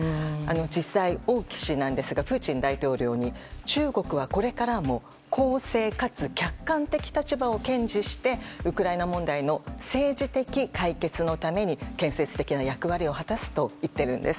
実際、王毅氏ですがプーチン大統領に中国はこれからも公正かつ客観的立場を堅持してウクライナ問題の政治的解決のために建設的な役割を果たすと言ってるんです。